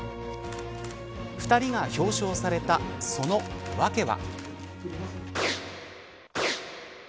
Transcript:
２人が表彰された、その訳は。